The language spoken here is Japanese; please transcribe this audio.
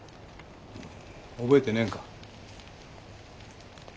覚えてねえんか。